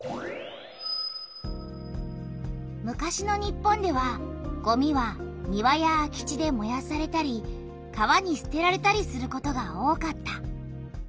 昔の日本ではごみは庭や空き地でもやされたり川にすてられたりすることが多かった。